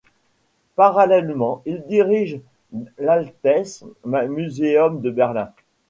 Parallèlement, il dirige l'Altes Museum de Berlin.